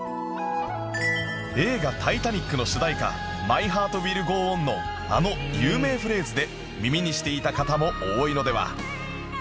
映画『タイタニック』の主題歌『ＭｙＨｅａｒｔＷｉｌｌＧｏＯｎ』のあの有名フレーズで耳にしていた方も多いのでは